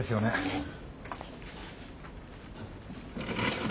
えっ？